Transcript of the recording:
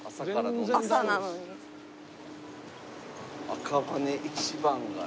赤羽一番街。